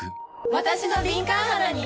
わたしの敏感肌に！